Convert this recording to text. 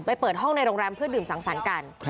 เปิดห้องในโรงแรมเพื่อดื่มสังสรรค์กัน